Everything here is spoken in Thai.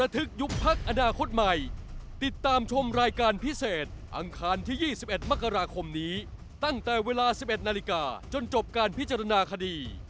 ยุบพักอนาคตใหม่ติดตามชมรายการพิเศษอังคารที่๒๑มกราคมนี้ตั้งแต่เวลา๑๑นาฬิกาจนจบการพิจารณาคดี